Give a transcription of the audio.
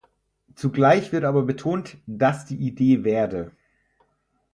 Zugleich wird aber betont, dass die Idee werde.